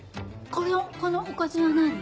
このおかずは何？